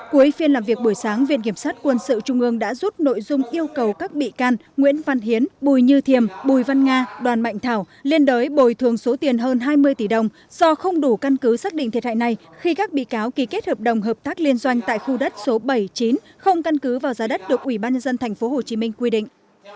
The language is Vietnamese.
cuối phiên làm việc buổi sáng viện kiểm sát quân sự trung ương đã rút nội dung yêu cầu các bị can nguyễn văn hiến bùi như thiềm bùi văn nga đoàn mạnh thảo liên đới bồi thường số tiền hơn hai mươi tỷ đồng do không đủ căn cứ xác định thiệt hại này khi các bị cáo ký kết hợp đồng hợp tác liên doanh tại khu đất số bảy mươi chín không căn cứ vào giá đất được ủy ban nhân dân tp hcm quy định